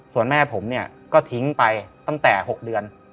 ส่วนแม่ผมเนี่ยก็ทิ้งไปตั้งแต่๖เดือน